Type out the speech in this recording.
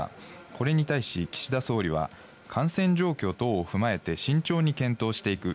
これに対し、岸田総理は感染状況等を踏まえて慎重に検討していく。